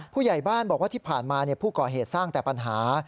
ผู้ใหญ่บ้านบอกว่าที่ผ่านมาผู้ก่อเหตุสร้างแต่ปัญหา